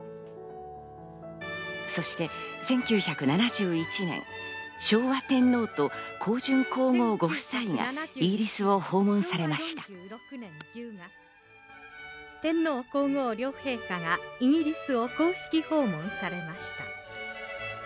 そして１９７１年、昭和天皇と香淳皇后ご夫妻がイギリスを訪問さ天皇・皇后両陛下がイギリスを公式訪問されました。